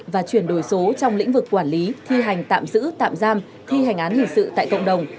và chuyển đổi số trong lĩnh vực quản lý thi hành tạm giữ tạm giam thi hành án hình sự tại cộng đồng